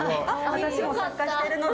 私も作家してるので。